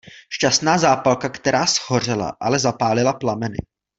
Šťastná zápalka, která shořela, ale zapálila plameny.